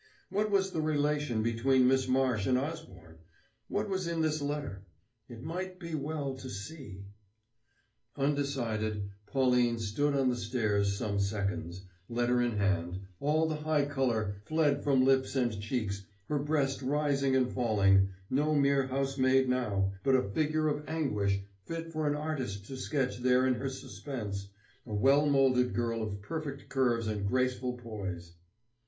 What was the relation between Miss Marsh and Osborne? What was in this letter? It might be well to see.... Undecided, Pauline stood on the stairs some seconds, letter in hand, all the high color fled from lips and cheeks, her breast rising and falling, no mere housemaid now, but a figure of anguish fit for an artist to sketch there in her suspense, a well molded girl of perfect curves and graceful poise.